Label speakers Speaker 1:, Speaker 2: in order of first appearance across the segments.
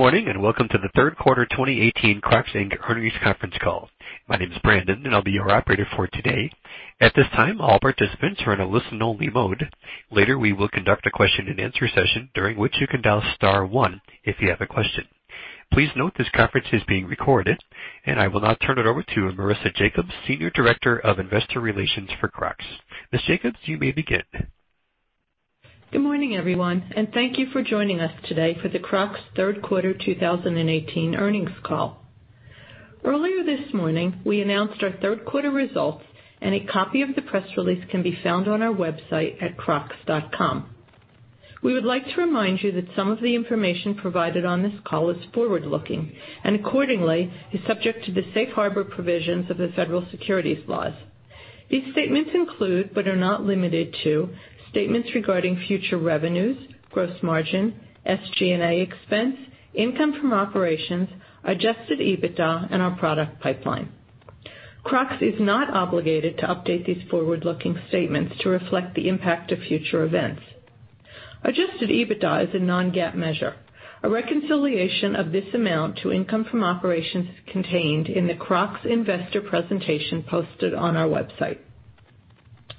Speaker 1: Good morning, and welcome to the third quarter 2018 Crocs, Inc. earnings conference call. My name is Brandon, and I'll be your operator for today. At this time, all participants are in a listen-only mode. Later, we will conduct a question and answer session during which you can dial star one if you have a question. Please note this conference is being recorded, and I will now turn it over to Marisa Jacobs, Senior Director of Investor Relations for Crocs. Ms. Jacobs, you may begin.
Speaker 2: Good morning, everyone, and thank you for joining us today for the Crocs third quarter 2018 earnings call. Earlier this morning, we announced our third quarter results, and a copy of the press release can be found on our website at crocs.com. We would like to remind you that some of the information provided on this call is forward-looking, and accordingly, is subject to the safe harbor provisions of the federal securities laws. These statements include, but are not limited to, statements regarding future revenues, gross margin, SG&A expense, income from operations, adjusted EBITDA, and our product pipeline. Crocs is not obligated to update these forward-looking statements to reflect the impact of future events. Adjusted EBITDA is a non-GAAP measure. A reconciliation of this amount to income from operations is contained in the Crocs investor presentation posted on our website.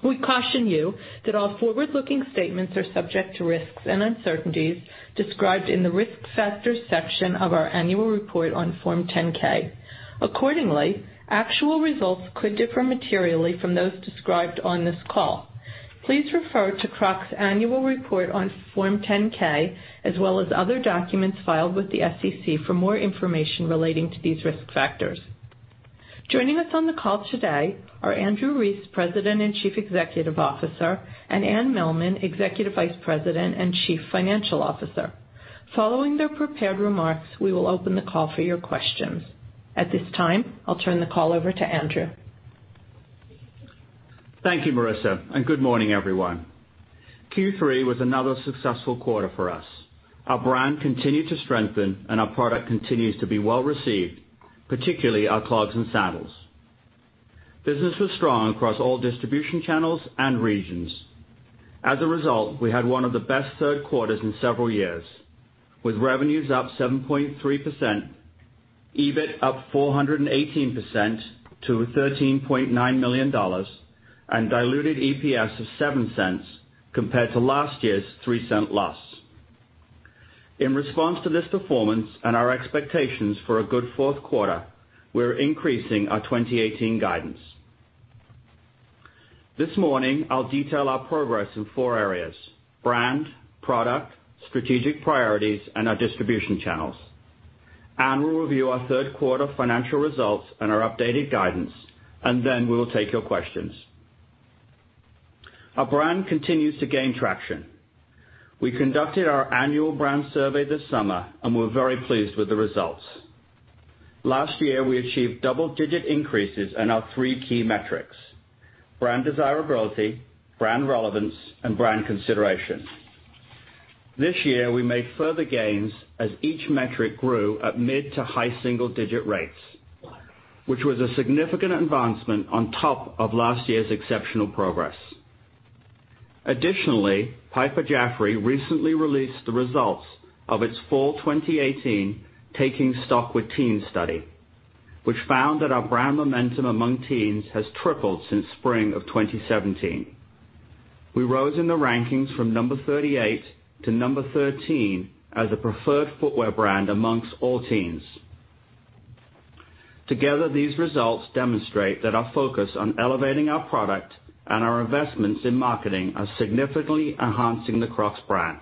Speaker 2: We caution you that all forward-looking statements are subject to risks and uncertainties described in the Risk Factors section of our annual report on Form 10-K. Accordingly, actual results could differ materially from those described on this call. Please refer to Crocs' annual report on Form 10-K, as well as other documents filed with the SEC for more information relating to these risk factors. Joining us on the call today are Andrew Rees, President and Chief Executive Officer, and Anne Mehlman, Executive Vice President and Chief Financial Officer. Following their prepared remarks, we will open the call for your questions. At this time, I'll turn the call over to Andrew.
Speaker 3: Thank you, Marisa, and good morning, everyone. Q3 was another successful quarter for us. Our brand continued to strengthen, and our product continues to be well-received, particularly our clogs and sandals. Business was strong across all distribution channels and regions. As a result, we had one of the best third quarters in several years, with revenues up 7.3%, EBIT up 418% to $13.9 million, and diluted EPS of $0.07 compared to last year's $0.03 loss. In response to this performance and our expectations for a good fourth quarter, we're increasing our 2018 guidance. This morning, I'll detail our progress in four areas: brand, product, strategic priorities, and our distribution channels. Anne will review our third quarter financial results and our updated guidance, and then we will take your questions. Our brand continues to gain traction. We conducted our annual brand survey this summer, we're very pleased with the results. Last year, we achieved double-digit increases in our three key metrics: brand desirability, brand relevance, and brand consideration. This year, we made further gains as each metric grew at mid to high single-digit rates, which was a significant advancement on top of last year's exceptional progress. Additionally, Piper Jaffray recently released the results of its Fall 2018 Taking Stock with Teens study, which found that our brand momentum among teens has tripled since spring of 2017. We rose in the rankings from number 38 to number 13 as a preferred footwear brand amongst all teens. Together, these results demonstrate that our focus on elevating our product and our investments in marketing are significantly enhancing the Crocs brand.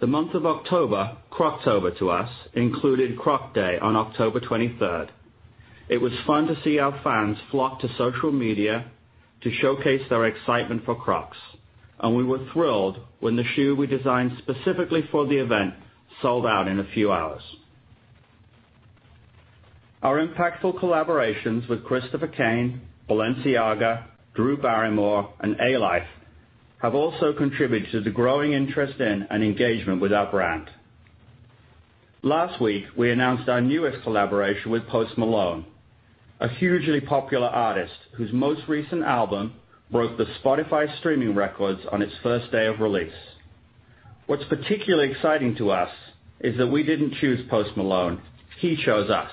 Speaker 3: The month of October, Croctober to us, included Croc Day on October 23rd. It was fun to see our fans flock to social media to showcase their excitement for Crocs, we were thrilled when the shoe we designed specifically for the event sold out in a few hours. Our impactful collaborations with Christopher Kane, Balenciaga, Drew Barrymore, and Alife have also contributed to the growing interest in and engagement with our brand. Last week, we announced our newest collaboration with Post Malone, a hugely popular artist whose most recent album broke the Spotify streaming records on its first day of release. What's particularly exciting to us is that we didn't choose Post Malone, he chose us.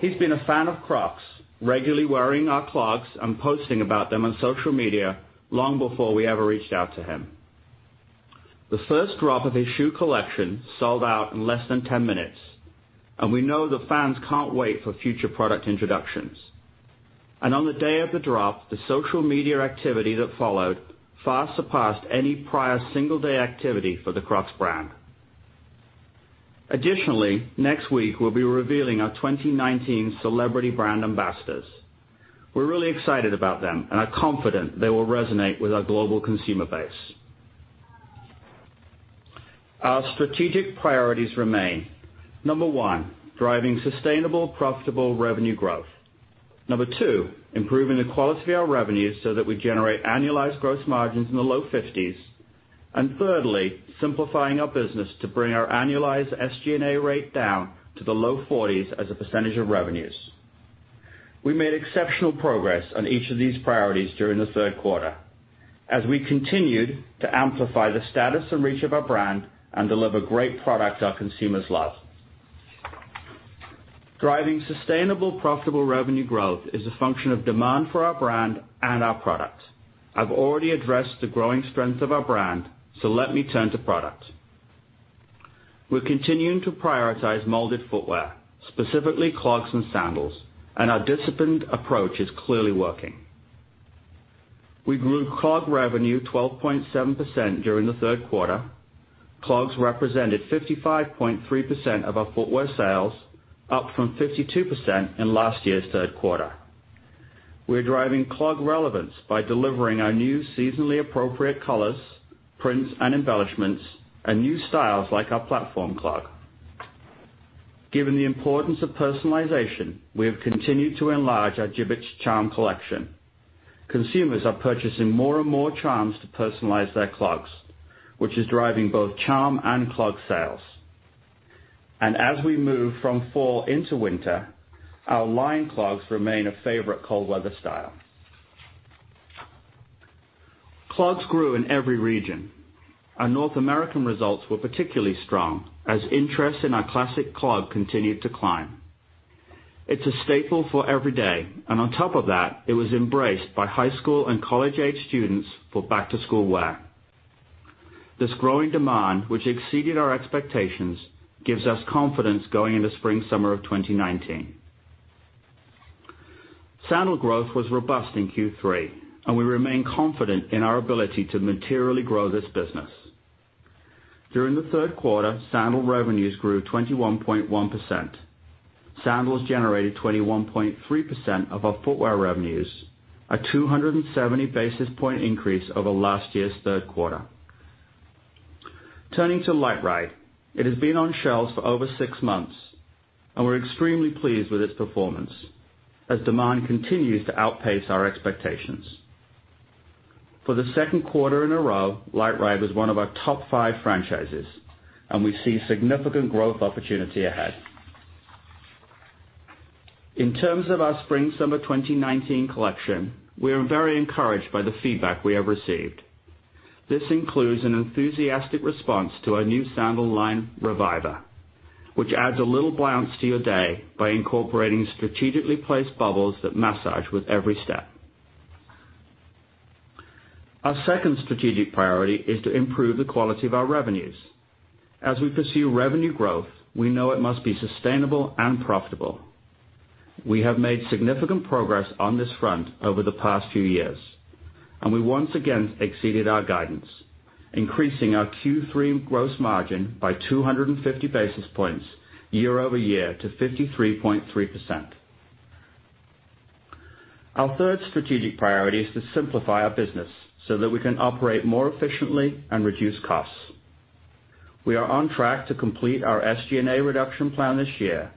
Speaker 3: He's been a fan of Crocs, regularly wearing our clogs and posting about them on social media long before we ever reached out to him. The first drop of his shoe collection sold out in less than 10 minutes, we know the fans can't wait for future product introductions. On the day of the drop, the social media activity that followed far surpassed any prior single-day activity for the Crocs brand. Additionally, next week we'll be revealing our 2019 celebrity brand ambassadors. We're really excited about them and are confident they will resonate with our global consumer base. Our strategic priorities remain, number one, driving sustainable, profitable revenue growth. Number two, improving the quality of our revenues so that we generate annualized gross margins in the low 50s. Thirdly, simplifying our business to bring our annualized SG&A rate down to the low 40s as a percentage of revenues. We made exceptional progress on each of these priorities during the third quarter as we continued to amplify the status and reach of our brand and deliver great product our consumers love. Driving sustainable profitable revenue growth is a function of demand for our brand and our product. I've already addressed the growing strength of our brand, so let me turn to product. We're continuing to prioritize molded footwear, specifically clogs and sandals, and our disciplined approach is clearly working. We grew clog revenue 12.7% during the third quarter. Clogs represented 55.3% of our footwear sales, up from 52% in last year's third quarter. We're driving clog relevance by delivering our new seasonally appropriate colors, prints, and embellishments, and new styles like our platform clog. Given the importance of personalization, we have continued to enlarge our Jibbitz charm collection. Consumers are purchasing more and more charms to personalize their clogs, which is driving both charm and clog sales. As we move from fall into winter, our lined clogs remain a favorite cold weather style. Clogs grew in every region. Our North American results were particularly strong as interest in our classic clog continued to climb. It's a staple for every day, and on top of that, it was embraced by high school and college-aged students for back-to-school wear. This growing demand, which exceeded our expectations, gives us confidence going into spring/summer of 2019. Sandal growth was robust in Q3, and we remain confident in our ability to materially grow this business. During the third quarter, sandal revenues grew 21.1%. Sandals generated 21.3% of our footwear revenues, a 270 basis point increase over last year's third quarter. Turning to LiteRide, it has been on shelves for over six months, and we're extremely pleased with its performance as demand continues to outpace our expectations. For the second quarter in a row, LiteRide was one of our top five franchises, and we see significant growth opportunity ahead. In terms of our spring/summer 2019 collection, we are very encouraged by the feedback we have received. This includes an enthusiastic response to our new sandal line, Reviva, which adds a little bounce to your day by incorporating strategically placed bubbles that massage with every step. Our second strategic priority is to improve the quality of our revenues. As we pursue revenue growth, we know it must be sustainable and profitable. We have made significant progress on this front over the past few years. We once again exceeded our guidance, increasing our Q3 gross margin by 250 basis points year-over-year to 53.3%. Our third strategic priority is to simplify our business so that we can operate more efficiently and reduce costs. We are on track to complete our SG&A reduction plan this year,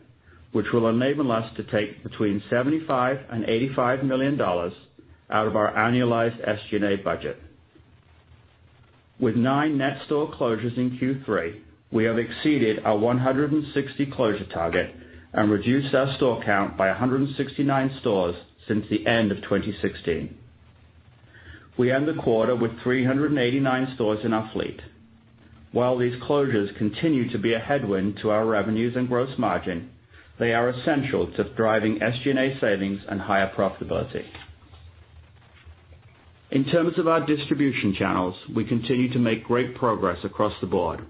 Speaker 3: which will enable us to take between $75 million and $85 million out of our annualized SG&A budget. With nine net store closures in Q3, we have exceeded our 160 closure target and reduced our store count by 169 stores since the end of 2016. We end the quarter with 389 stores in our fleet. While these closures continue to be a headwind to our revenues and gross margin, they are essential to driving SG&A savings and higher profitability. In terms of our distribution channels, we continue to make great progress across the board.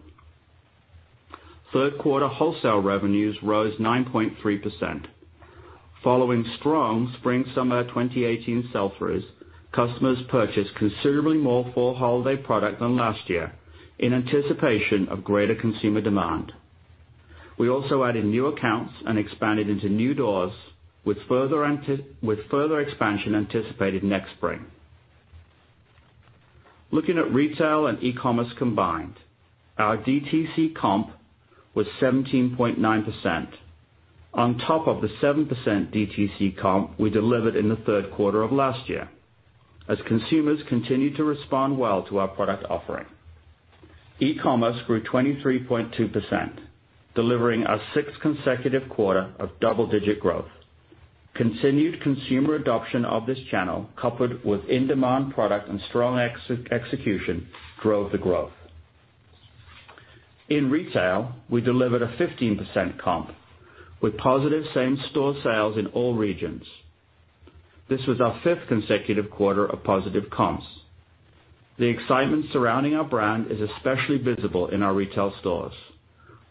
Speaker 3: Third quarter wholesale revenues rose 9.3%. Following strong spring/summer 2018 sell-throughs, customers purchased considerably more fall holiday product than last year in anticipation of greater consumer demand. We also added new accounts and expanded into new doors with further expansion anticipated next spring. Looking at retail and e-commerce combined, our DTC comp was 17.9% on top of the 7% DTC comp we delivered in the third quarter of last year as consumers continued to respond well to our product offering. E-commerce grew 23.2%, delivering our sixth consecutive quarter of double-digit growth. Continued consumer adoption of this channel, coupled with in-demand product and strong execution, drove the growth. In retail, we delivered a 15% comp with positive same store sales in all regions. This was our fifth consecutive quarter of positive comps. The excitement surrounding our brand is especially visible in our retail stores,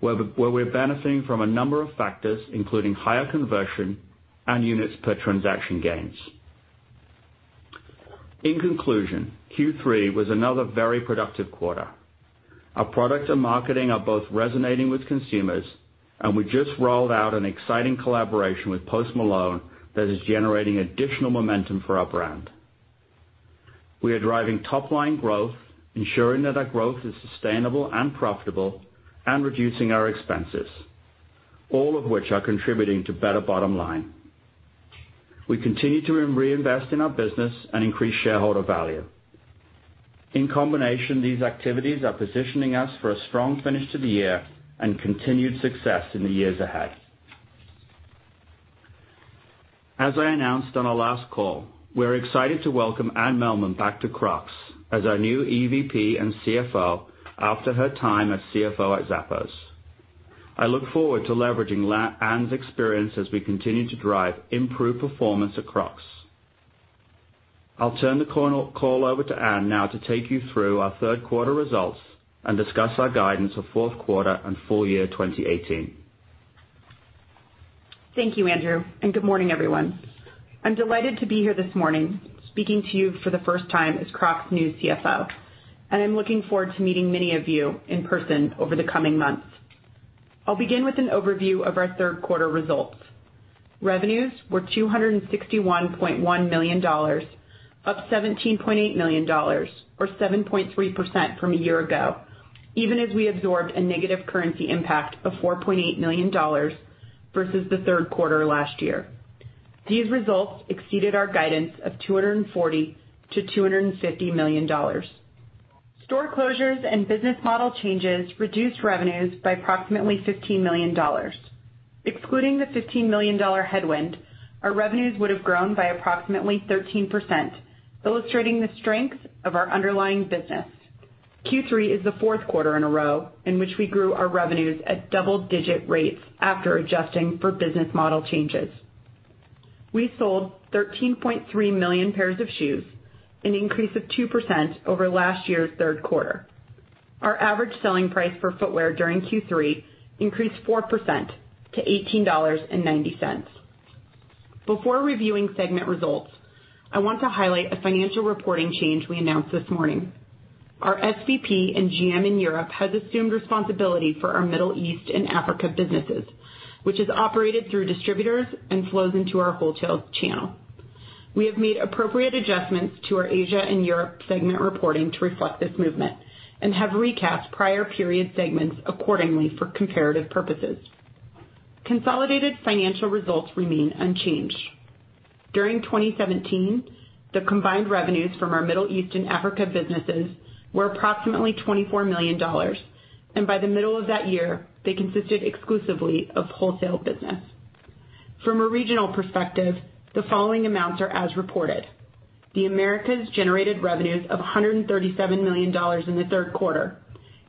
Speaker 3: where we're benefiting from a number of factors, including higher conversion and units per transaction gains. In conclusion, Q3 was another very productive quarter. Our product and marketing are both resonating with consumers, and we just rolled out an exciting collaboration with Post Malone that is generating additional momentum for our brand. We are driving top-line growth, ensuring that our growth is sustainable and profitable, and reducing our expenses, all of which are contributing to better bottom line. We continue to reinvest in our business and increase shareholder value. In combination, these activities are positioning us for a strong finish to the year and continued success in the years ahead. As I announced on our last call, we are excited to welcome Anne Mehlman back to Crocs as our new EVP and CFO after her time as CFO at Zappos. I look forward to leveraging Anne's experience as we continue to drive improved performance at Crocs. I'll turn the call over to Anne now to take you through our third quarter results and discuss our guidance for fourth quarter and full year 2018.
Speaker 4: Thank you, Andrew, and good morning, everyone. I'm delighted to be here this morning, speaking to you for the first time as Crocs' new CFO, and I'm looking forward to meeting many of you in person over the coming months. I'll begin with an overview of our third quarter results. Revenues were $261.1 million, up $17.8 million or 7.3% from a year ago, even as we absorbed a negative currency impact of $4.8 million versus the third quarter last year. These results exceeded our guidance of $240 million to $250 million. Store closures and business model changes reduced revenues by approximately $15 million. Excluding the $15 million headwind, our revenues would have grown by approximately 13%, illustrating the strength of our underlying business. Q3 is the fourth quarter in a row in which we grew our revenues at double-digit rates after adjusting for business model changes. We sold 13.3 million pairs of shoes, an increase of 2% over last year's third quarter. Our average selling price per footwear during Q3 increased 4% to $18.90. Before reviewing segment results, I want to highlight a financial reporting change we announced this morning. Our SVP and GM in Europe has assumed responsibility for our Middle East and Africa businesses, which is operated through distributors and flows into our wholesale channel. We have made appropriate adjustments to our Asia and Europe segment reporting to reflect this movement and have recast prior period segments accordingly for comparative purposes. Consolidated financial results remain unchanged. During 2017, the combined revenues from our Middle East and Africa businesses were approximately $24 million, and by the middle of that year, they consisted exclusively of wholesale business. From a regional perspective, the following amounts are as reported. The Americas generated revenues of $137 million in the third quarter,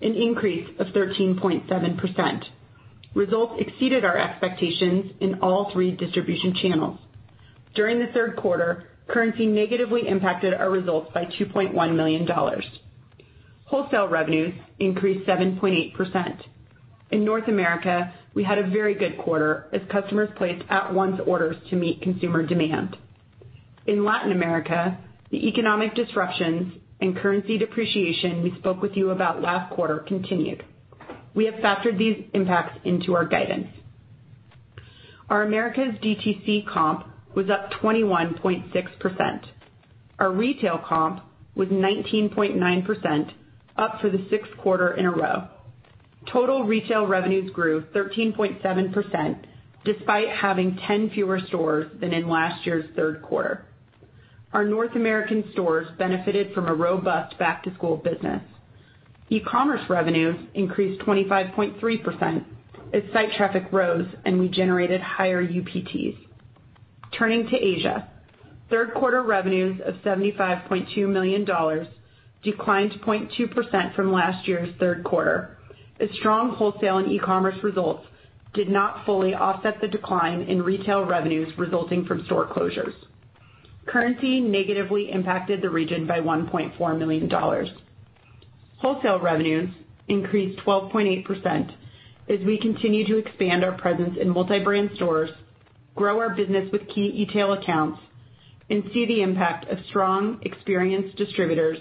Speaker 4: an increase of 13.7%. Results exceeded our expectations in all three distribution channels. During the third quarter, currency negatively impacted our results by $2.1 million. Wholesale revenues increased 7.8%. In North America, we had a very good quarter as customers placed at-once orders to meet consumer demand. In Latin America, the economic disruptions and currency depreciation we spoke with you about last quarter continued. We have factored these impacts into our guidance. Our Americas' DTC comp was up 21.6%. Our retail comp was 19.9%, up for the sixth quarter in a row. Total retail revenues grew 13.7%, despite having 10 fewer stores than in last year's third quarter. Our North American stores benefited from a robust back-to-school business. E-commerce revenues increased 25.3% as site traffic rose, and we generated higher UPTs. Turning to Asia, third quarter revenues of $75.2 million declined to 0.2% from last year's third quarter as strong wholesale and e-commerce results did not fully offset the decline in retail revenues resulting from store closures. Currency negatively impacted the region by $1.4 million. Wholesale revenues increased 12.8% as we continue to expand our presence in multi-brand stores, grow our business with key e-tail accounts, and see the impact of strong, experienced distributors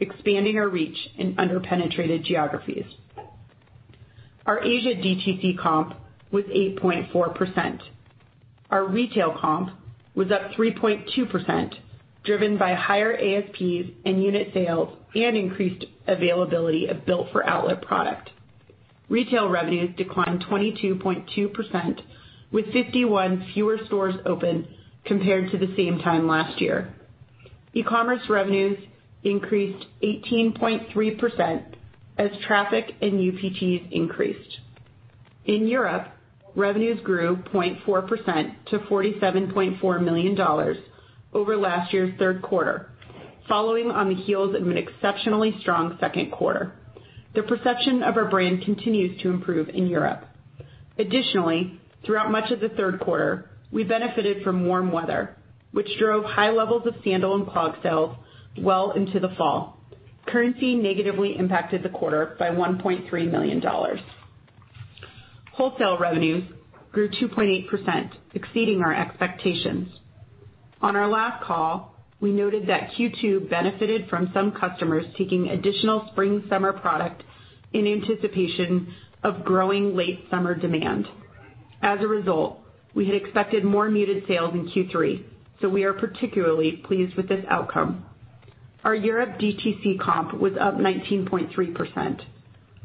Speaker 4: expanding our reach in under-penetrated geographies. Our Asia DTC comp was 8.4%. Our retail comp was up 3.2%, driven by higher ASPs in unit sales and increased availability of built-for-outlet product. Retail revenues declined 22.2%, with 51 fewer stores open compared to the same time last year. E-commerce revenues increased 18.3% as traffic and UPTs increased. In Europe, revenues grew 0.4% to $47.4 million over last year's third quarter, following on the heels of an exceptionally strong second quarter. The perception of our brand continues to improve in Europe. Additionally, throughout much of the third quarter, we benefited from warm weather, which drove high levels of sandal and clog sales well into the fall. Currency negatively impacted the quarter by $1.3 million. Wholesale revenues grew 2.8%, exceeding our expectations. On our last call, we noted that Q2 benefited from some customers taking additional spring/summer product in anticipation of growing late summer demand. As a result, we had expected more muted sales in Q3, so we are particularly pleased with this outcome. Our Europe DTC comp was up 19.3%.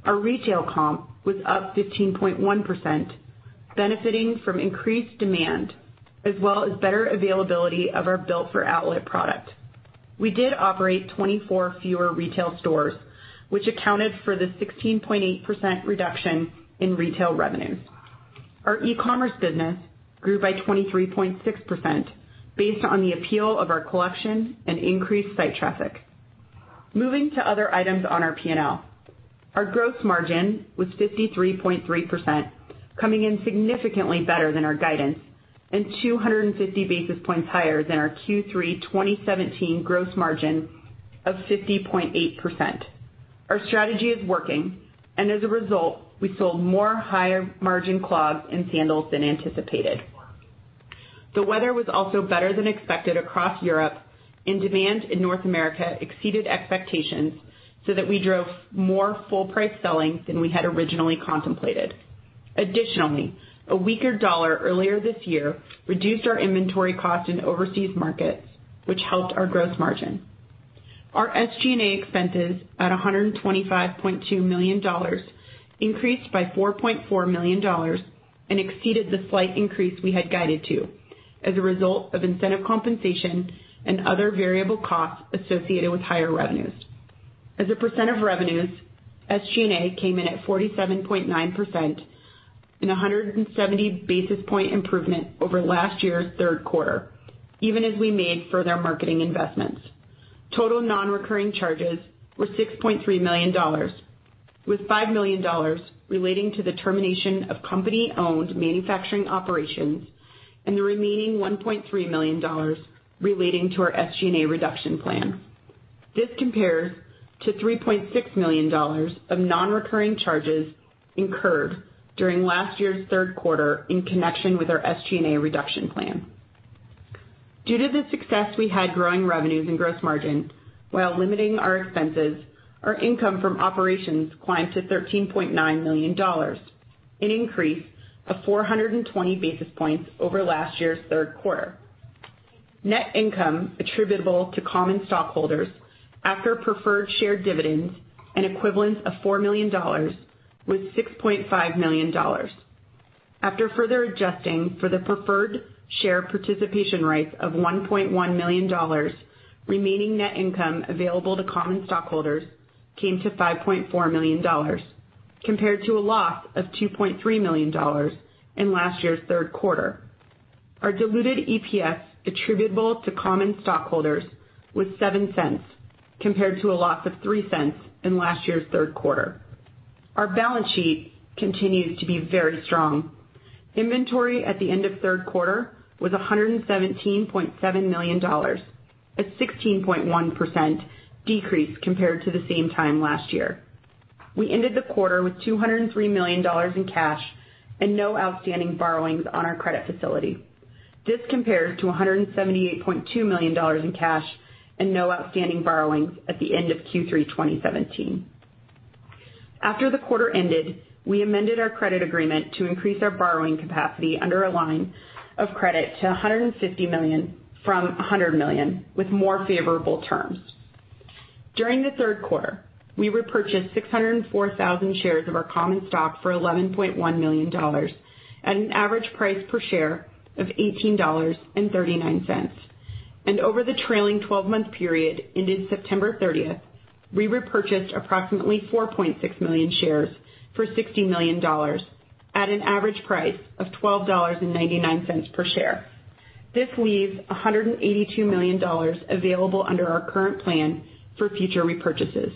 Speaker 4: Our retail comp was up 15.1%, benefiting from increased demand as well as better availability of our built-for-outlet product. We did operate 24 fewer retail stores, which accounted for the 16.8% reduction in retail revenue. Our e-commerce business grew by 23.6%, based on the appeal of our collection and increased site traffic. Moving to other items on our P&L. Our gross margin was 53.3%, coming in significantly better than our guidance and 250 basis points higher than our Q3 2017 gross margin of 50.8%. Our strategy is working, and as a result, we sold more higher-margin clogs and sandals than anticipated. The weather was also better than expected across Europe, and demand in North America exceeded expectations so that we drove more full price selling than we had originally contemplated. Additionally, a weaker dollar earlier this year reduced our inventory cost in overseas markets, which helped our gross margin. Our SG&A expenses, at $125.2 million, increased by $4.4 million and exceeded the slight increase we had guided to as a result of incentive compensation and other variable costs associated with higher revenues. As a percent of revenues, SG&A came in at 47.9%, an 170 basis point improvement over last year's third quarter, even as we made further marketing investments. Total non-recurring charges were $6.3 million, with $5 million relating to the termination of company-owned manufacturing operations and the remaining $1.3 million relating to our SG&A reduction plan. This compares to $3.6 million of non-recurring charges incurred during last year's third quarter in connection with our SG&A reduction plan. Due to the success we had growing revenues and gross margin while limiting our expenses, our income from operations climbed to $13.9 million, an increase of 420 basis points over last year's third quarter. Net income attributable to common stockholders after preferred share dividends, an equivalent of $4 million, was $6.5 million. After further adjusting for the preferred share participation rights of $1.1 million, remaining net income available to common stockholders came to $5.4 million, compared to a loss of $2.3 million in last year's third quarter. Our diluted EPS attributable to common stockholders was $0.07, compared to a loss of $0.03 in last year's third quarter. Our balance sheet continues to be very strong. Inventory at the end of third quarter was $117.7 million, a 16.1% decrease compared to the same time last year. We ended the quarter with $203 million in cash and no outstanding borrowings on our credit facility. This compares to $178.2 million in cash and no outstanding borrowings at the end of Q3 2017. After the quarter ended, we amended our credit agreement to increase our borrowing capacity under a line of credit to $150 million from $100 million with more favorable terms. During the third quarter, we repurchased 604,000 shares of our common stock for $11.1 million at an average price per share of $18.39. Over the trailing 12-month period ended September 30th, we repurchased approximately 4.6 million shares for $60 million at an average price of $12.99 per share. This leaves $182 million available under our current plan for future repurchases.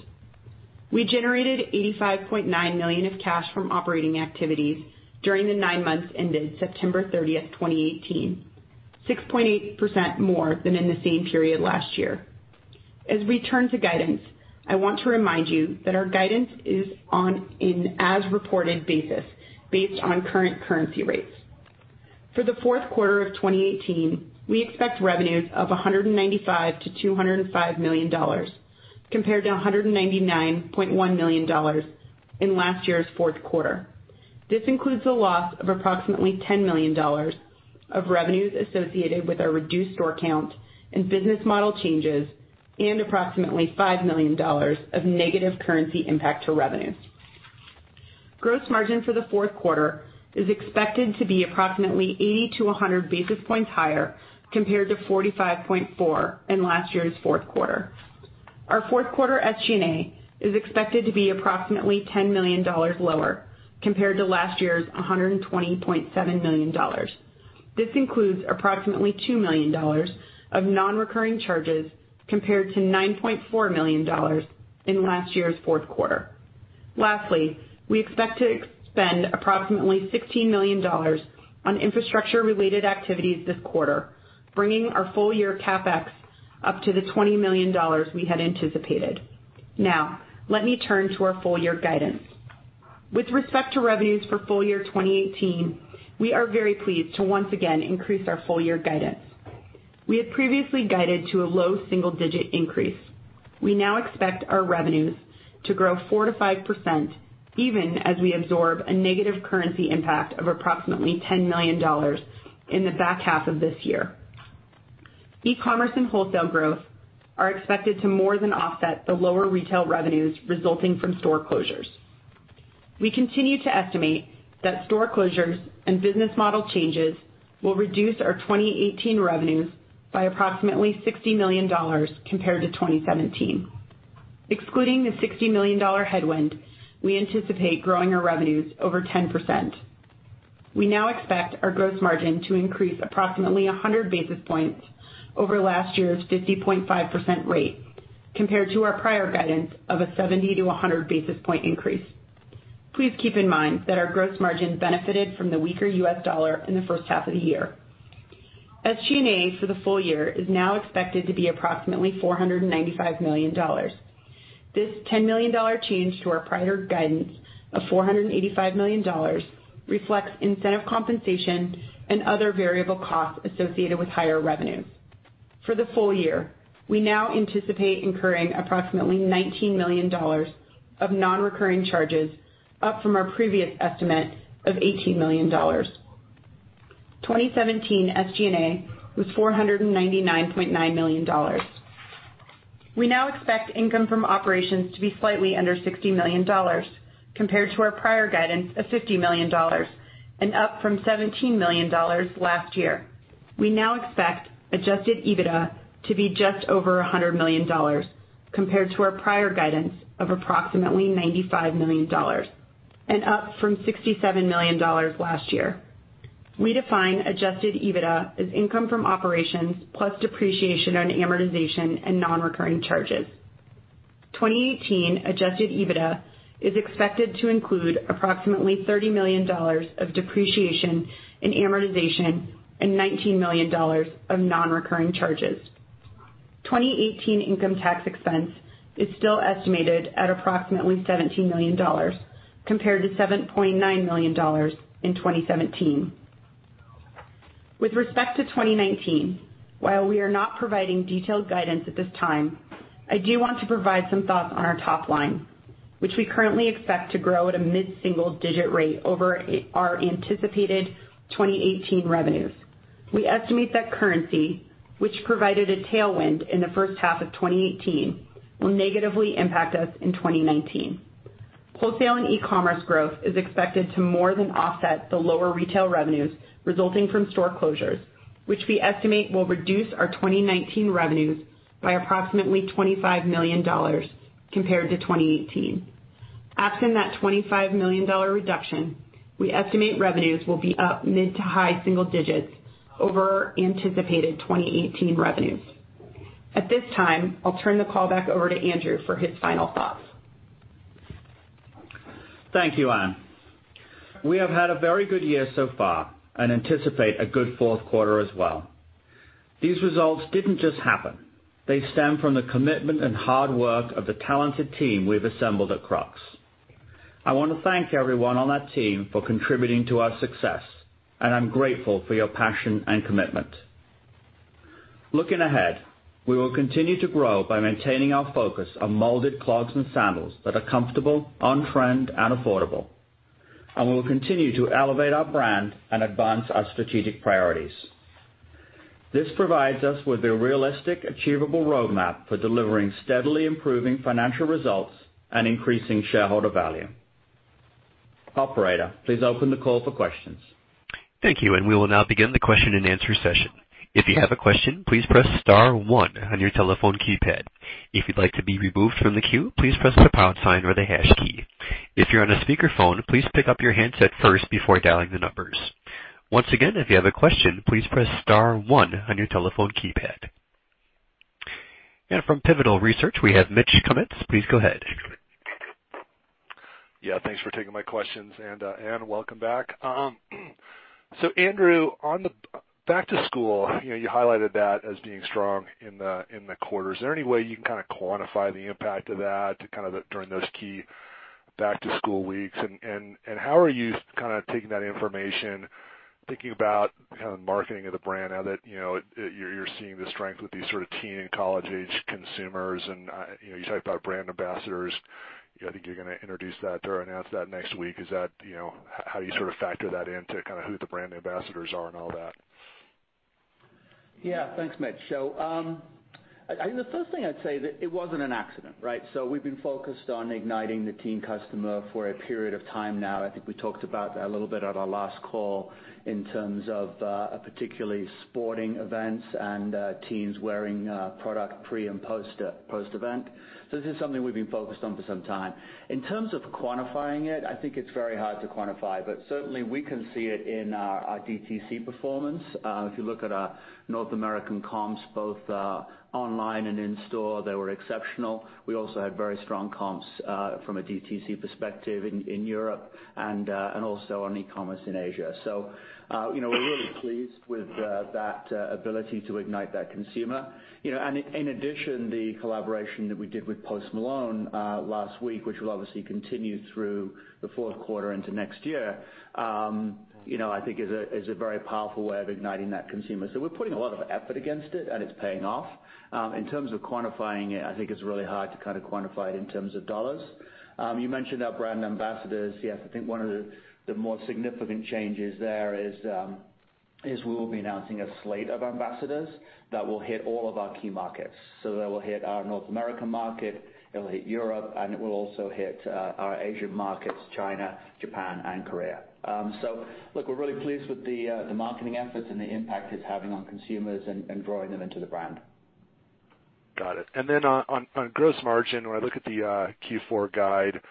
Speaker 4: We generated $85.9 million of cash from operating activities during the nine months ended September 30th, 2018, 6.8% more than in the same period last year. As we turn to guidance, I want to remind you that our guidance is on an as reported basis based on current currency rates. For the fourth quarter of 2018, we expect revenues of $195 million-$205 million, compared to $199.1 million in last year's fourth quarter. This includes a loss of approximately $10 million of revenues associated with our reduced store count and business model changes and approximately $5 million of negative currency impact to revenues. Gross margin for the fourth quarter is expected to be approximately 80-100 basis points higher compared to 45.4% in last year's fourth quarter. Our fourth quarter SG&A is expected to be approximately $10 million lower compared to last year's $120.7 million. This includes approximately $2 million of non-recurring charges, compared to $9.4 million in last year's fourth quarter. Lastly, we expect to spend approximately $16 million on infrastructure-related activities this quarter, bringing our full-year CapEx up to the $20 million we had anticipated. Now, let me turn to our full-year guidance. With respect to revenues for full-year 2018, we are very pleased to once again increase our full-year guidance. We had previously guided to a low single-digit increase. We now expect our revenues to grow 4%-5%, even as we absorb a negative currency impact of approximately $10 million in the back half of this year. E-commerce and wholesale growth are expected to more than offset the lower retail revenues resulting from store closures. We continue to estimate that store closures and business model changes will reduce our 2018 revenues by approximately $60 million compared to 2017. Excluding the $60 million headwind, we anticipate growing our revenues over 10%. We now expect our gross margin to increase approximately 100 basis points over last year's 50.5% rate compared to our prior guidance of a 70-100 basis point increase. Please keep in mind that our gross margin benefited from the weaker US dollar in the first half of the year. SG&A for the full year is now expected to be approximately $495 million. This $10 million change to our prior guidance of $485 million reflects incentive compensation and other variable costs associated with higher revenues. For the full year, we now anticipate incurring approximately $19 million of non-recurring charges, up from our previous estimate of $18 million. 2017 SG&A was $499.9 million. We now expect income from operations to be slightly under $60 million compared to our prior guidance of $50 million, and up from $17 million last year. We now expect adjusted EBITDA to be just over $100 million compared to our prior guidance of approximately $95 million, and up from $67 million last year. We define adjusted EBITDA as income from operations plus depreciation and amortization and non-recurring charges. 2018 adjusted EBITDA is expected to include approximately $30 million of depreciation and amortization and $19 million of non-recurring charges. 2018 income tax expense is still estimated at approximately $17 million compared to $7.9 million in 2017. With respect to 2019, while we are not providing detailed guidance at this time, I do want to provide some thoughts on our top line, which we currently expect to grow at a mid-single-digit rate over our anticipated 2018 revenues. We estimate that currency, which provided a tailwind in the first half of 2018, will negatively impact us in 2019. Wholesale and e-commerce growth is expected to more than offset the lower retail revenues resulting from store closures, which we estimate will reduce our 2019 revenues by approximately $25 million compared to 2018. Absent that $25 million reduction, we estimate revenues will be up mid to high single digits over anticipated 2018 revenues. At this time, I'll turn the call back over to Andrew for his final thoughts.
Speaker 3: Thank you, Anne. We have had a very good year so far and anticipate a good fourth quarter as well. These results didn't just happen. They stem from the commitment and hard work of the talented team we've assembled at Crocs. I want to thank everyone on that team for contributing to our success, and I'm grateful for your passion and commitment. Looking ahead, we will continue to grow by maintaining our focus on molded clogs and sandals that are comfortable, on-trend, and affordable. We will continue to elevate our brand and advance our strategic priorities. This provides us with a realistic, achievable roadmap for delivering steadily improving financial results and increasing shareholder value. Operator, please open the call for questions.
Speaker 1: Thank you. We will now begin the question-and-answer session. If you have a question, please press *1 on your telephone keypad. If you'd like to be removed from the queue, please press the pound sign or the hash key. If you're on a speakerphone, please pick up your handset first before dialing the numbers. Once again, if you have a question, please press *1 on your telephone keypad. From Pivotal Research, we have Mitch Kummetz. Please go ahead.
Speaker 5: Thanks for taking my questions. Anne, welcome back. Andrew, on the back to school, you highlighted that as being strong in the quarter. Is there any way you can kind of quantify the impact of that during those key back-to-school weeks? How are you taking that information, thinking about marketing of the brand now that you're seeing the strength with these sort of teen and college-age consumers, and you talked about brand ambassadors. I think you're going to introduce that or announce that next week. Is that how you sort of factor that in to kind of who the brand ambassadors are and all that?
Speaker 3: Thanks, Mitch. I think the first thing I'd say that it wasn't an accident, right? We've been focused on igniting the teen customer for a period of time now. I think we talked about that a little bit at our last call in terms of particularly sporting events and teens wearing product pre- and post-event. This is something we've been focused on for some time. In terms of quantifying it, I think it's very hard to quantify, but certainly, we can see it in our DTC performance. If you look at our North American comps, both online and in store, they were exceptional. We also had very strong comps from a DTC perspective in Europe and also on e-commerce in Asia. We're really pleased with that ability to ignite that consumer. In addition, the collaboration that we did with Post Malone last week, which will obviously continue through the fourth quarter into next year, I think is a very powerful way of igniting that consumer. We're putting a lot of effort against it, and it's paying off. In terms of quantifying it, I think it's really hard to kind of quantify it in terms of dollars. You mentioned our brand ambassadors. Yes, I think one of the more significant changes there is we will be announcing a slate of ambassadors that will hit all of our key markets. That will hit our North American market, it will hit Europe, and it will also hit our Asian markets, China, Japan, and Korea. Look, we're really pleased with the marketing efforts and the impact it's having on consumers and drawing them into the brand.
Speaker 5: Got it. On gross margin, when I look at the Q4 guide,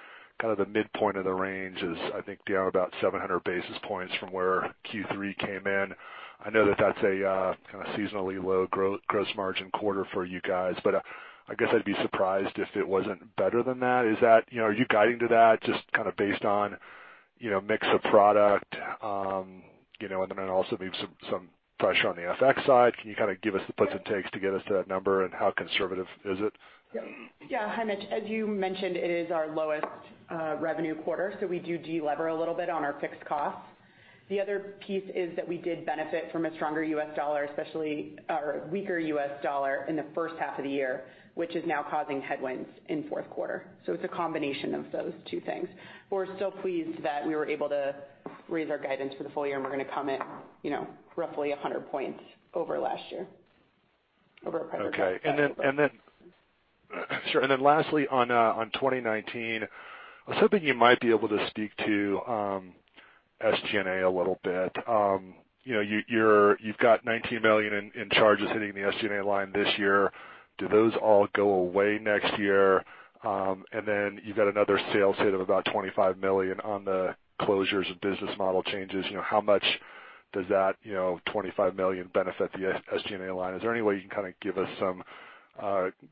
Speaker 5: the midpoint of the range is, I think, down about 700 basis points from where Q3 came in. I know that that's a kind of seasonally low gross margin quarter for you guys, but I guess I'd be surprised if it wasn't better than that. Are you guiding to that just based on mix of product, and then also maybe some pressure on the FX side? Can you give us the puts and takes to get us to that number, and how conservative is it?
Speaker 4: Yeah. Hi, Mitch. As you mentioned, it is our lowest revenue quarter, we do de-lever a little bit on our fixed costs. The other piece is that we did benefit from a weaker U.S. dollar in the first half of the year, which is now causing headwinds in fourth quarter. It's a combination of those two things. We're still pleased that we were able to raise our guidance for the full year, and we're going to come in roughly 100 points over last year, over our private guidance.
Speaker 5: Okay. Sure. Lastly, on 2019, I was hoping you might be able to speak to SG&A a little bit. You've got $19 million in charges hitting the SG&A line this year. Do those all go away next year? Then you've got another sales hit of about $25 million on the closures of business model changes. How much does that $25 million benefit the SG&A line? Is there any way you can give us some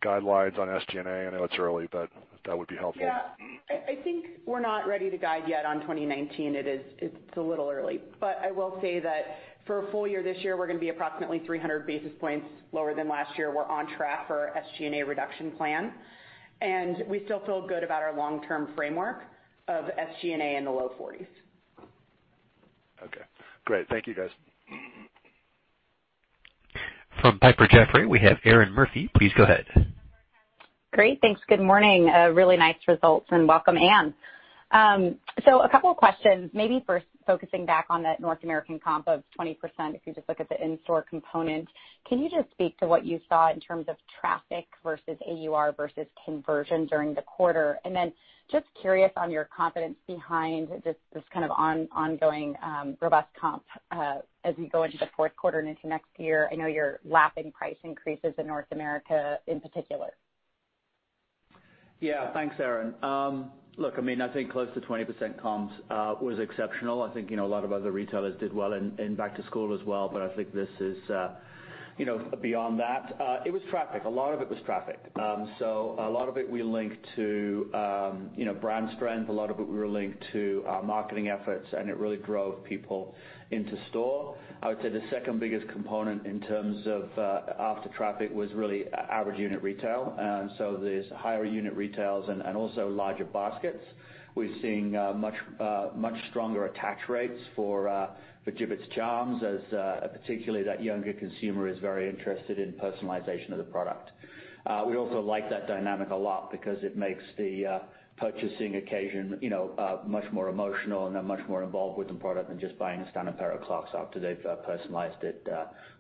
Speaker 5: guidelines on SG&A? I know it's early, but that would be helpful.
Speaker 4: I think we're not ready to guide yet on 2019. It's a little early. I will say that for a full year this year, we're going to be approximately 300 basis points lower than last year. We're on track for our SG&A reduction plan, and we still feel good about our long-term framework of SG&A in the low 40s.
Speaker 5: Okay, great. Thank you, guys.
Speaker 1: From Piper Jaffray, we have Erinn Murphy. Please go ahead.
Speaker 6: Great, thanks. Good morning. Really nice results, and welcome, Anne. A couple of questions. Maybe first focusing back on that North American comp of 20%, if you just look at the in-store component, can you just speak to what you saw in terms of traffic versus AUR versus conversion during the quarter? Just curious on your confidence behind this kind of ongoing, robust comp as we go into the fourth quarter and into next year. I know you're lapping price increases in North America in particular.
Speaker 3: Yeah. Thanks, Erinn. Look, I think close to 20% comps was exceptional. I think a lot of other retailers did well in back to school as well. I think this is beyond that. It was traffic. A lot of it was traffic. A lot of it we linked to brand strength. A lot of it we linked to our marketing efforts, and it really drove people into store. I would say the second biggest component in terms of after traffic was really average unit retail. There's higher unit retails and also larger baskets. We're seeing much stronger attach rates for Jibbitz charms as particularly that younger consumer is very interested in personalization of the product. We also like that dynamic a lot because it makes the purchasing occasion much more emotional and much more involved with the product than just buying a standard pair of Crocs after they've personalized it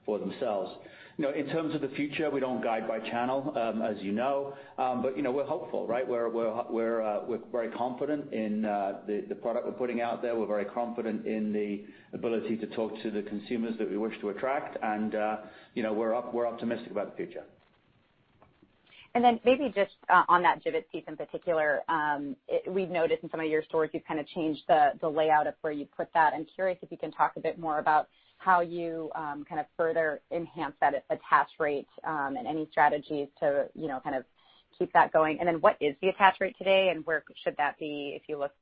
Speaker 3: for themselves. In terms of the future, we don't guide by channel, as you know. We're hopeful, right? We're very confident in the product we're putting out there. We're very confident in the ability to talk to the consumers that we wish to attract. We're optimistic about the future.
Speaker 6: Maybe just on that Jibbitz piece in particular, we've noticed in some of your stores you've changed the layout of where you put that. I'm curious if you can talk a bit more about how you further enhance that attach rate, and any strategies to keep that going. What is the attach rate today, and where should that be if you look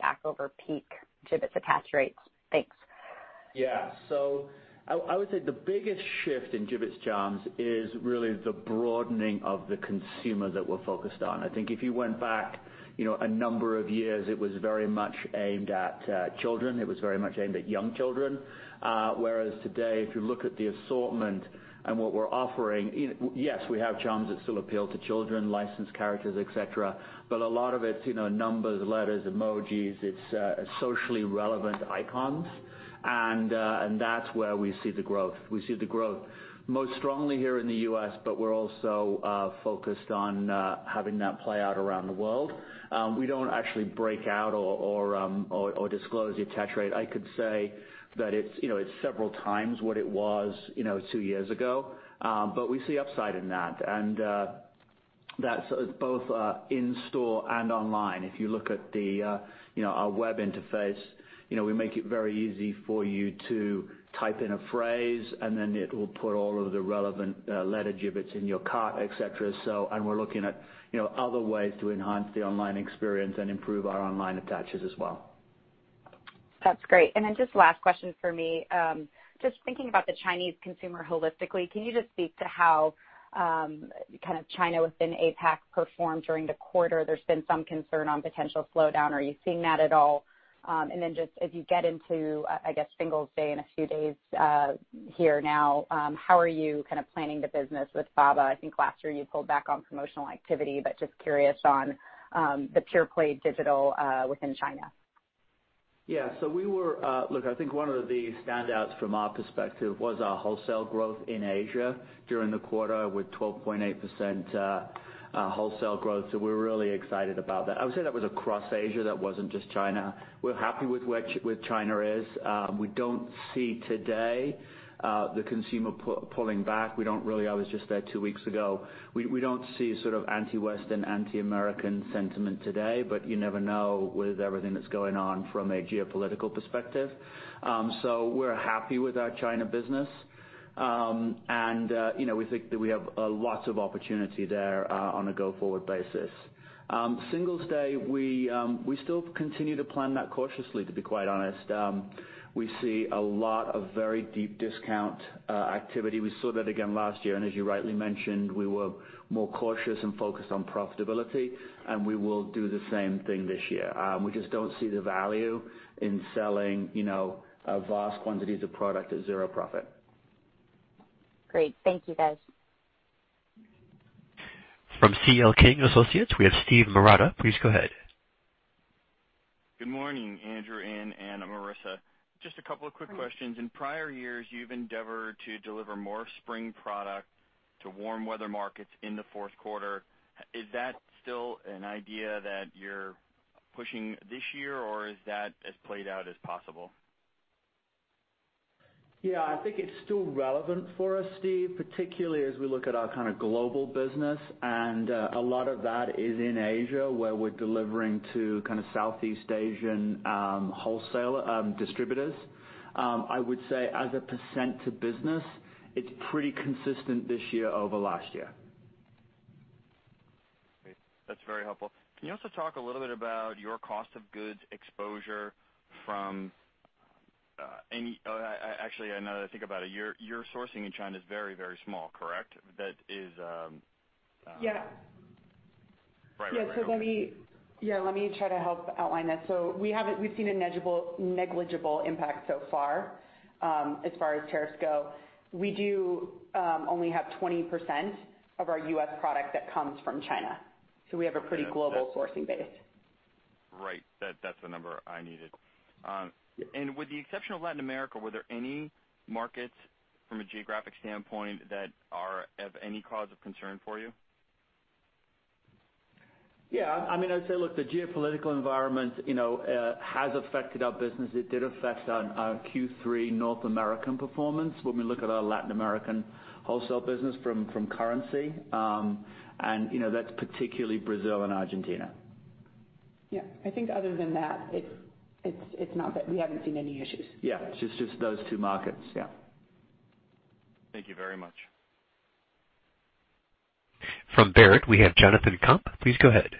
Speaker 6: back over peak Jibbitz attach rates? Thanks.
Speaker 3: Yeah. I would say the biggest shift in Jibbitz charms is really the broadening of the consumer that we're focused on. I think if you went back a number of years, it was very much aimed at children. It was very much aimed at young children. Whereas today, if you look at the assortment and what we're offering, yes, we have charms that still appeal to children, licensed characters, et cetera. A lot of it's numbers, letters, emojis. It's socially relevant icons. That's where we see the growth. We see the growth most strongly here in the U.S., but we're also focused on having that play out around the world. We don't actually break out or disclose the attach rate. I could say that it's several times what it was two years ago. We see upside in that, and that's both in store and online. If you look at our web interface, we make it very easy for you to type in a phrase, then it will put all of the relevant letter Jibbitz in your cart, et cetera. We're looking at other ways to enhance the online experience and improve our online attaches as well.
Speaker 6: That's great. Just last question for me. Just thinking about the Chinese consumer holistically, can you just speak to how China within APAC performed during the quarter? There's been some concern on potential slowdown. Are you seeing that at all? Just as you get into, I guess, Singles Day in a few days here now, how are you planning the business with Tmall? I think last year you pulled back on promotional activity, but just curious on the pure play digital within China.
Speaker 3: Look, I think one of the standouts from our perspective was our wholesale growth in Asia during the quarter with 12.8% wholesale growth. We're really excited about that. I would say that was across Asia, that wasn't just China. We're happy with where China is. We don't see today the consumer pulling back. I was just there two weeks ago. We don't see anti-Western, anti-American sentiment today, but you never know with everything that's going on from a geopolitical perspective. We're happy with our China business. We think that we have lots of opportunity there on a go-forward basis. Singles Day, we still continue to plan that cautiously, to be quite honest. We see a lot of very deep discount activity. We saw that again last year, as you rightly mentioned, we were more cautious and focused on profitability, we will do the same thing this year. We just don't see the value in selling a vast quantity of the product at zero profit.
Speaker 6: Great. Thank you, guys.
Speaker 1: From C.L. King & Associates, we have Steven Marotta. Please go ahead.
Speaker 7: Good morning, Andrew and Anne and Marisa. Just a couple of quick questions. In prior years, you've endeavored to deliver more spring product to warm weather markets in the fourth quarter. Is that still an idea that you're pushing this year, or is that as played out as possible?
Speaker 3: Yeah, I think it's still relevant for us, Steve, particularly as we look at our kind of global business. A lot of that is in Asia, where we're delivering to Southeast Asian wholesale distributors. I would say as a percent to business, it's pretty consistent this year over last year.
Speaker 7: Great. That's very helpful. Can you also talk a little bit about your cost of goods exposure. Actually, now that I think about it, your sourcing in China is very, very small, correct?
Speaker 4: Yeah.
Speaker 7: Right.
Speaker 4: Yeah. Let me try to help outline that. We've seen a negligible impact so far, as far as tariffs go. We do only have 20% of our U.S. product that comes from China. We have a pretty global sourcing base.
Speaker 7: Right. That's the number I needed. With the exception of Latin America, were there any markets from a geographic standpoint that are of any cause of concern for you?
Speaker 3: Yeah. I'd say, look, the geopolitical environment has affected our business. It did affect our Q3 North American performance when we look at our Latin American wholesale business from currency. That's particularly Brazil and Argentina.
Speaker 4: Yeah. I think other than that, we haven't seen any issues.
Speaker 3: Yeah. It's just those two markets. Yeah.
Speaker 7: Thank you very much.
Speaker 1: From Baird, we have Jonathan Komp. Please go ahead.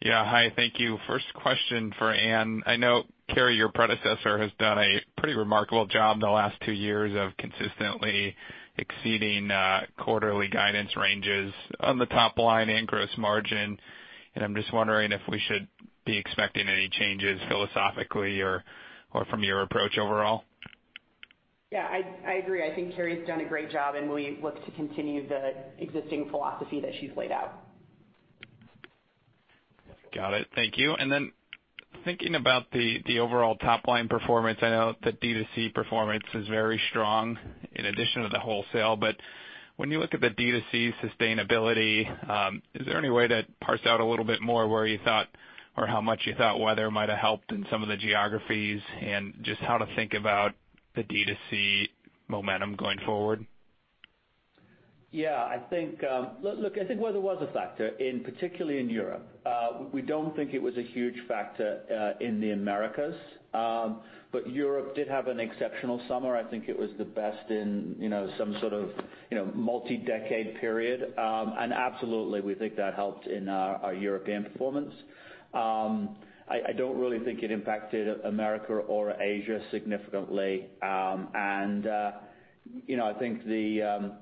Speaker 8: Yeah. Hi, thank you. First question for Anne. I know Carrie, your predecessor, has done a pretty remarkable job the last 2 years of consistently exceeding quarterly guidance ranges on the top line and gross margin. I'm just wondering if we should be expecting any changes philosophically or from your approach overall.
Speaker 4: Yeah, I agree. I think Carrie's done a great job. We look to continue the existing philosophy that she's laid out.
Speaker 8: Got it. Thank you. Thinking about the overall top-line performance, I know that D2C performance is very strong in addition to the wholesale. When you look at the D2C sustainability, is there any way to parse out a little bit more where you thought or how much you thought weather might have helped in some of the geographies and just how to think about the D2C momentum going forward?
Speaker 3: Yeah. Look, I think weather was a factor, particularly in Europe. We don't think it was a huge factor in the Americas. Europe did have an exceptional summer. I think it was the best in some sort of multi-decade period. Absolutely, we think that helped in our European performance. I don't really think it impacted America or Asia significantly. I think the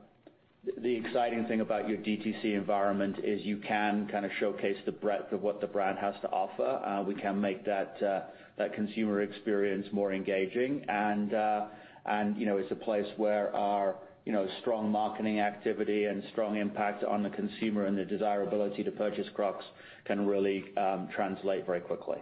Speaker 3: exciting thing about your D2C environment is you can kind of showcase the breadth of what the brand has to offer. We can make that consumer experience more engaging. It's a place where our strong marketing activity and strong impact on the consumer and the desirability to purchase Crocs can really translate very quickly.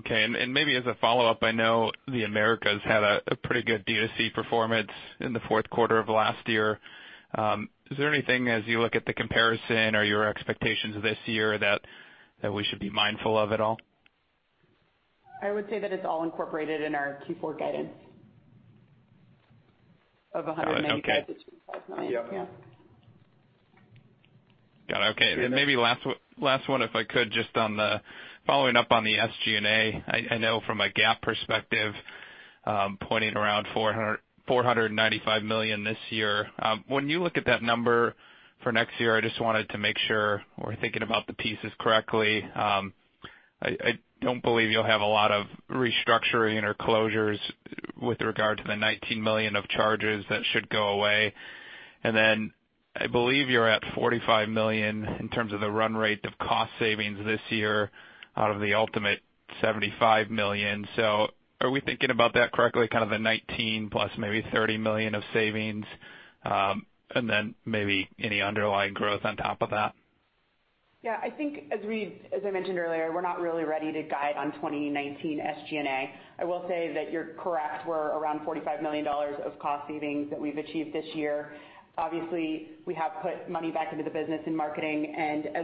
Speaker 8: Okay, maybe as a follow-up, I know the Americas had a pretty good D2C performance in the fourth quarter of last year. Is there anything as you look at the comparison or your expectations this year that we should be mindful of at all?
Speaker 4: I would say that it's all incorporated in our Q4 guidance of $195 million-$205 million.
Speaker 8: Got it. Okay.
Speaker 3: Yeah.
Speaker 4: Yeah.
Speaker 8: Got it. Okay. Maybe last one, if I could, just following up on the SG&A. I know from a GAAP perspective, pointing around $495 million this year. When you look at that number for next year, I just wanted to make sure we're thinking about the pieces correctly. I don't believe you'll have a lot of restructuring or closures with regard to the $19 million of charges that should go away. Then I believe you're at $45 million in terms of the run rate of cost savings this year out of the ultimate $75 million. Are we thinking about that correctly? Kind of the $19 plus maybe $30 million of savings, then maybe any underlying growth on top of that?
Speaker 4: I think as I mentioned earlier, we're not really ready to guide on 2019 SG&A. I will say that you're correct. We're around $45 million of cost savings that we've achieved this year. As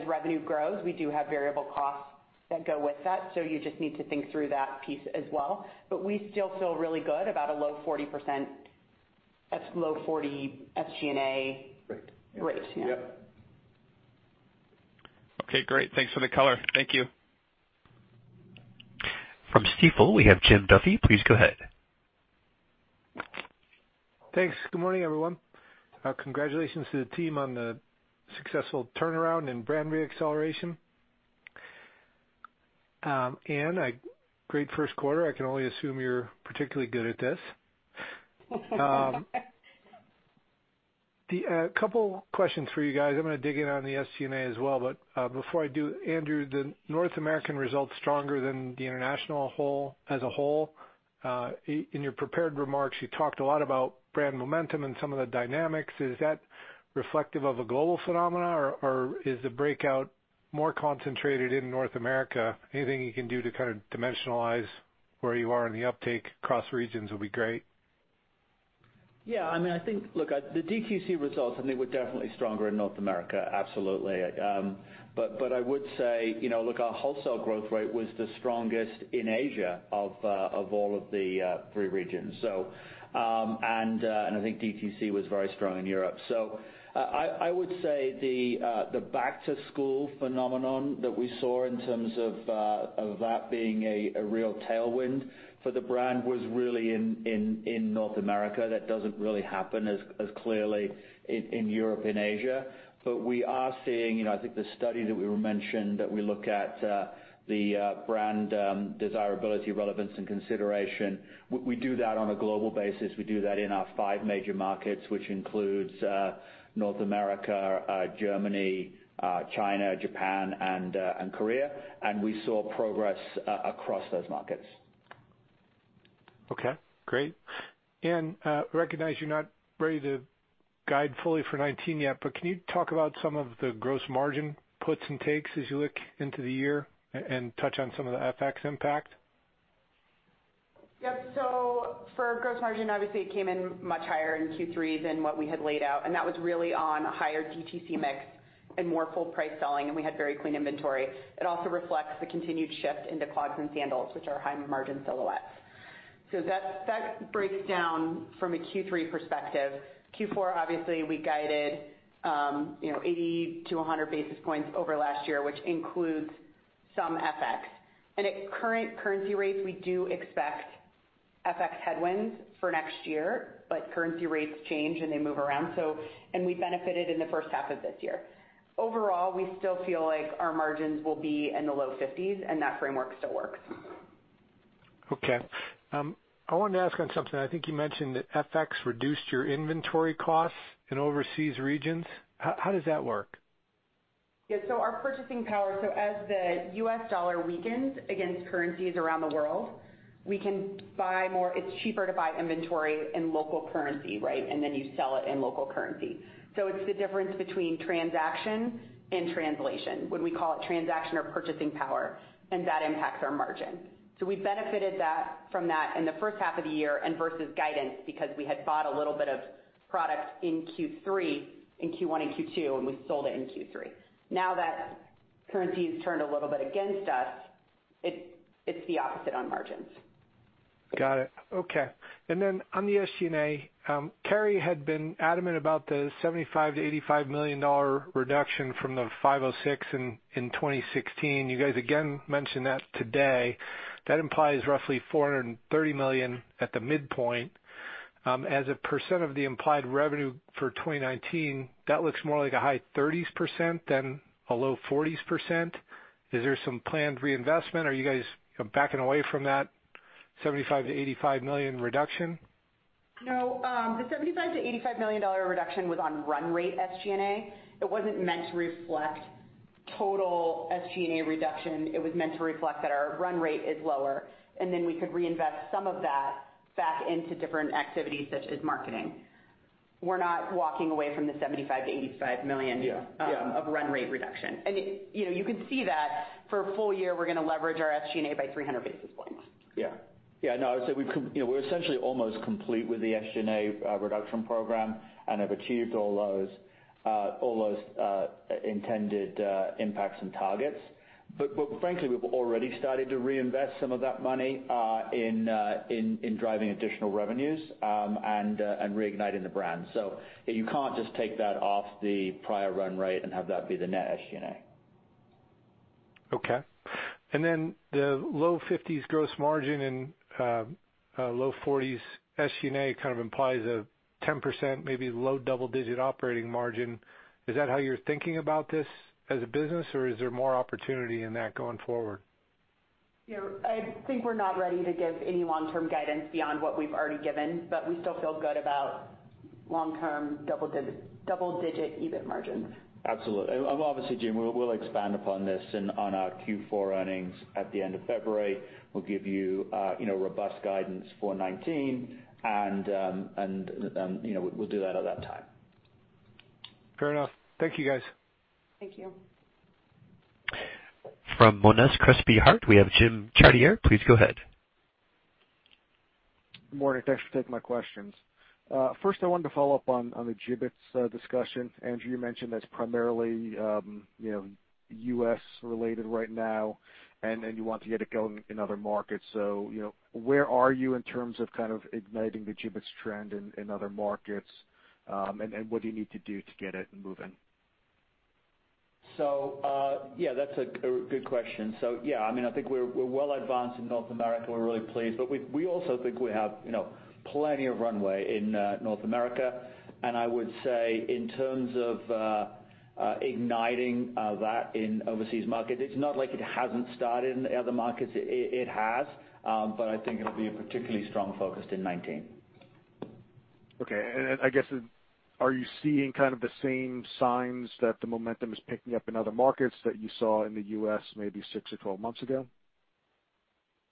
Speaker 4: revenue grows, we do have variable costs that go with that. You just need to think through that piece as well. We still feel really good about a low 40% SG&A rate.
Speaker 3: Yep.
Speaker 8: Okay, great. Thanks for the color. Thank you.
Speaker 1: From Stifel, we have Jim Duffy. Please go ahead.
Speaker 9: Thanks. Good morning, everyone. Congratulations to the team on the successful turnaround in brand re-acceleration. Anne, great first quarter. I can only assume you're particularly good at this. A couple questions for you guys. I'm going to dig in on the SG&A as well, before I do, Andrew, the North American results stronger than the international as a whole. In your prepared remarks, you talked a lot about brand momentum and some of the dynamics. Is that reflective of a global phenomenon, or is the breakout more concentrated in North America? Anything you can do to dimensionalize where you are in the uptake across regions will be great.
Speaker 3: Yeah. Look, the DTC results, they were definitely stronger in North America, absolutely. I would say, our wholesale growth rate was the strongest in Asia of all of the three regions. I think DTC was very strong in Europe. I would say the back-to-school phenomenon that we saw in terms of that being a real tailwind for the brand was really in North America. That doesn't really happen as clearly in Europe and Asia. We are seeing, I think the study that we mentioned, that we look at the brand desirability, relevance, and consideration. We do that on a global basis. We do that in our five major markets, which includes North America, Germany, China, Japan, and Korea, and we saw progress across those markets.
Speaker 9: Okay, great. Anne, recognize you're not ready to guide fully for 2019 yet, can you talk about some of the gross margin puts and takes as you look into the year, and touch on some of the FX impact?
Speaker 4: Yep. For gross margin, obviously it came in much higher in Q3 than what we had laid out, and that was really on a higher DTC mix and more full price selling, and we had very clean inventory. It also reflects the continued shift into clogs and sandals, which are high margin silhouettes. That breaks down from a Q3 perspective. Q4, obviously, we guided 80 to 100 basis points over last year, which includes some FX. At current currency rates, we do expect FX headwinds for next year, currency rates change, and they move around. We benefited in the first half of this year. Overall, we still feel like our margins will be in the low 50s, and that framework still works.
Speaker 9: Okay. I wanted to ask on something. I think you mentioned that FX reduced your inventory costs in overseas regions. How does that work?
Speaker 4: Yeah. Our purchasing power, as the U.S. dollar weakens against currencies around the world, it's cheaper to buy inventory in local currency, right? Then you sell it in local currency. It's the difference between transaction and translation, when we call it transaction or purchasing power, and that impacts our margin. We benefited from that in the first half of the year and versus guidance, because we had bought a little bit of product in Q1 and Q2, and we sold it in Q3. Now that currency's turned a little bit against us, it's the opposite on margins.
Speaker 9: Got it. Okay. On the SG&A, Carrie had been adamant about the $75 million-$85 million reduction from the $506 in 2016. You guys again mentioned that today. That implies roughly $430 million at the midpoint. As a % of the implied revenue for 2019, that looks more like a high 30s% than a low 40s%. Is there some planned reinvestment? Are you guys backing away from that $75 million-$85 million reduction?
Speaker 4: No, the $75 million-$85 million reduction was on run rate SG&A. It wasn't meant to reflect total SG&A reduction. It was meant to reflect that our run rate is lower, we could reinvest some of that back into different activities such as marketing. We're not walking away from the $75 million-$85 million-
Speaker 3: Yeah
Speaker 4: of run rate reduction. You can see that for a full year, we're going to leverage our SG&A by 300 basis points.
Speaker 3: Yeah. No, I would say we're essentially almost complete with the SG&A reduction program and have achieved all those intended impacts and targets. Frankly, we've already started to reinvest some of that money in driving additional revenues and reigniting the brand. You can't just take that off the prior run rate and have that be the net SG&A.
Speaker 9: Okay. Then the low 50s gross margin and low 40s SG&A implies a 10%, maybe low double digit operating margin. Is that how you're thinking about this as a business, or is there more opportunity in that going forward?
Speaker 4: I think we're not ready to give any long-term guidance beyond what we've already given, we still feel good about long-term double-digit EBIT margins.
Speaker 3: Absolutely. Obviously, Jim, we'll expand upon this on our Q4 earnings at the end of February. We'll give you robust guidance for 2019. We'll do that at that time.
Speaker 9: Fair enough. Thank you, guys.
Speaker 4: Thank you.
Speaker 1: From Monness, Crespi, Hardt, we have Jim Chartier. Please go ahead.
Speaker 10: Morning. Thanks for taking my questions. First I wanted to follow up on the Jibbitz discussion. Andrew, you mentioned that's primarily U.S.-related right now, and you want to get it going in other markets. Where are you in terms of kind of igniting the Jibbitz trend in other markets? What do you need to do to get it moving?
Speaker 3: Yeah, that's a good question. Yeah, I think we're well advanced in North America. We're really pleased. We also think we have plenty of runway in North America. I would say in terms of igniting that in overseas markets, it's not like it hasn't started in the other markets. It has. I think it'll be a particularly strong focus in 2019.
Speaker 10: Okay. I guess, are you seeing kind of the same signs that the momentum is picking up in other markets that you saw in the U.S. maybe six or 12 months ago?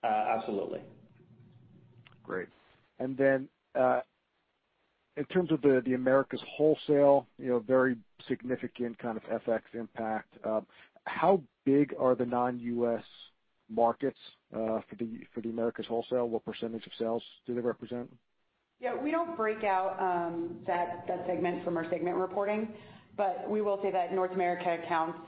Speaker 3: Absolutely.
Speaker 10: Great. In terms of the Americas wholesale, very significant kind of FX impact. How big are the non-U.S. markets, for the Americas wholesale? What % of sales do they represent?
Speaker 4: Yeah. We don't break out that segment from our segment reporting. We will say that North America accounts,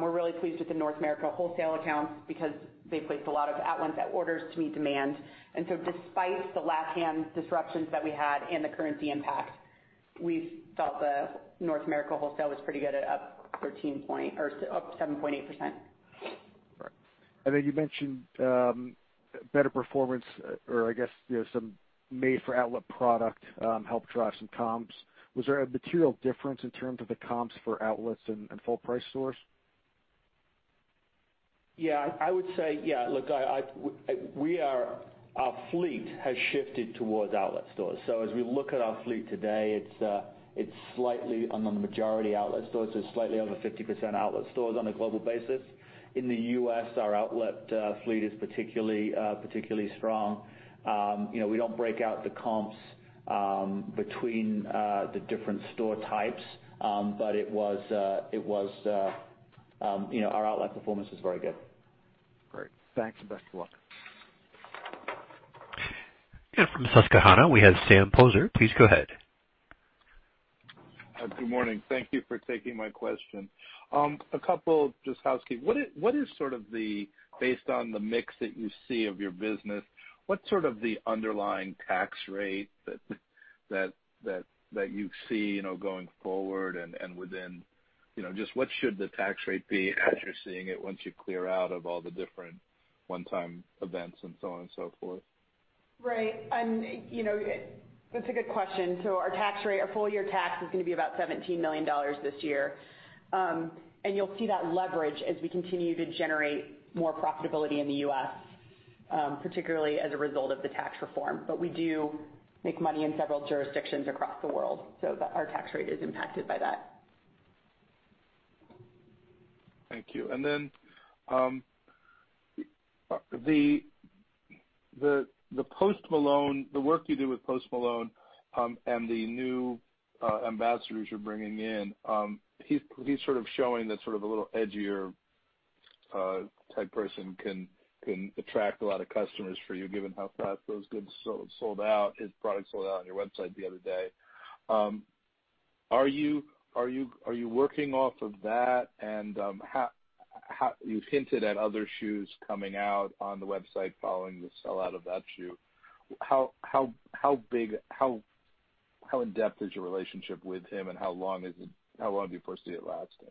Speaker 4: we're really pleased with the North America wholesale accounts because they placed a lot of outlet orders to meet demand. Despite the last-hand disruptions that we had and the currency impact, we felt the North America wholesale was pretty good at up 7.8%.
Speaker 10: Right. You mentioned better performance or I guess, some made-for-outlet product helped drive some comps. Was there a material difference in terms of the comps for outlets and full-price stores?
Speaker 3: Yeah. I would say yeah. Look, our fleet has shifted towards outlet stores. As we look at our fleet today, it's slightly on the majority outlet stores. It's slightly over 50% outlet stores on a global basis. In the U.S., our outlet fleet is particularly strong. We don't break out the comps between the different store types. Our outlet performance was very good.
Speaker 10: Great. Thanks, and best of luck.
Speaker 1: From Susquehanna, we have Sam Poser. Please go ahead.
Speaker 11: Good morning. Thank you for taking my question. A couple, just housekeeping. Based on the mix that you see of your business, what's sort of the underlying tax rate that you see going forward? Just what should the tax rate be as you're seeing it once you clear out of all the different one-time events and so on and so forth?
Speaker 4: Right. That's a good question. Our tax rate, our full-year tax is going to be about $17 million this year. You'll see that leverage as we continue to generate more profitability in the U.S., particularly as a result of the tax reform. We do make money in several jurisdictions across the world, so our tax rate is impacted by that.
Speaker 11: Thank you. The work you do with Post Malone, and the new ambassadors you're bringing in, he's sort of showing that sort of a little edgier type person can attract a lot of customers for you, given how fast those goods sold out, his product sold out on your website the other day. Are you working off of that? You hinted at other shoes coming out on the website following the sell-out of that shoe. How in-depth is your relationship with him, and how long do you foresee it lasting?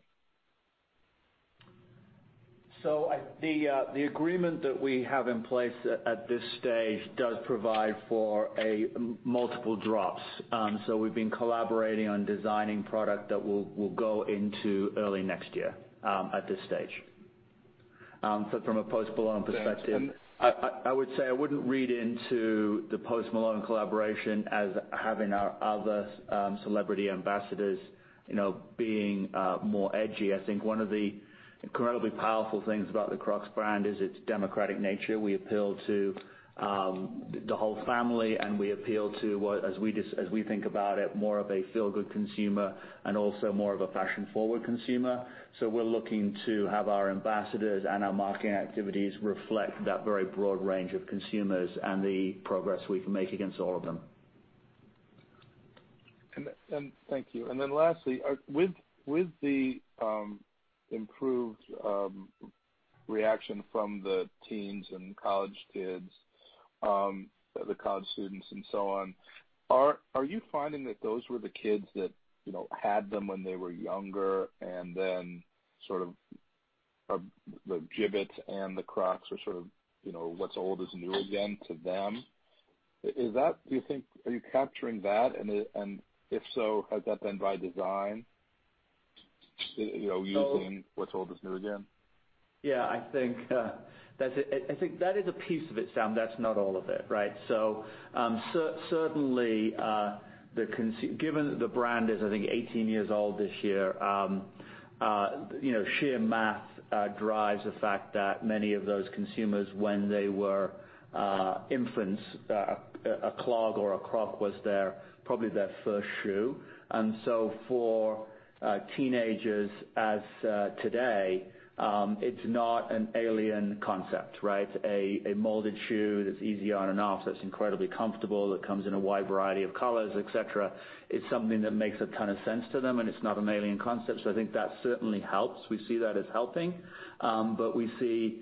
Speaker 3: The agreement that we have in place at this stage does provide for multiple drops. We've been collaborating on designing product that will go into early next year, at this stage. From a Post Malone perspective.
Speaker 11: Thanks.
Speaker 3: I would say I wouldn't read into the Post Malone collaboration as having our other celebrity ambassadors being more edgy. I think one of the incredibly powerful things about the Crocs brand is its democratic nature. We appeal to the whole family, and we appeal to, as we think about it, more of a feel-good consumer and also more of a fashion-forward consumer. We're looking to have our ambassadors and our marketing activities reflect that very broad range of consumers and the progress we can make against all of them.
Speaker 11: Thank you. Lastly, with the improved reaction from the teens and the college students and so on, are you finding that those were the kids that had them when they were younger and then sort of the Jibbitz and the Crocs are sort of, what's old is new again to them? Are you capturing that? If so, has that been by design, using what's old is new again?
Speaker 3: I think that is a piece of it, Sam. That's not all of it, right? Certainly, given the brand is, I think, 18 years old this year, sheer math drives the fact that many of those consumers, when they were infants, a clog or a Croc was probably their first shoe. For teenagers as today, it's not an alien concept, right? A molded shoe that's easy on and off, that's incredibly comfortable, that comes in a wide variety of colors, et cetera, is something that makes a ton of sense to them, and it's not an alien concept. I think that certainly helps. We see that as helping. We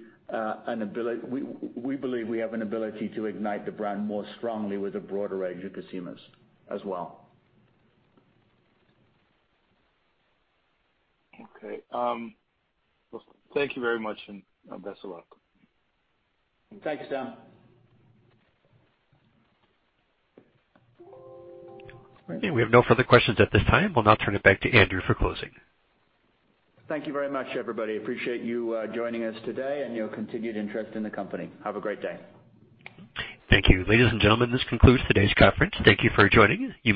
Speaker 3: believe we have an ability to ignite the brand more strongly with a broader range of consumers as well.
Speaker 11: Thank you very much, and best of luck.
Speaker 3: Thank you, Sam.
Speaker 1: We have no further questions at this time. We'll now turn it back to Andrew for closing.
Speaker 3: Thank you very much, everybody. Appreciate you joining us today and your continued interest in the company. Have a great day.
Speaker 1: Thank you. Ladies and gentlemen, this concludes today's conference. Thank you for joining us.